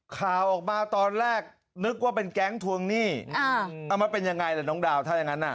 ข่าวออกมาตอนแรกนึกว่าเป็นแก๊งทวงหนี้เอามาเป็นยังไงล่ะน้องดาวถ้าอย่างนั้น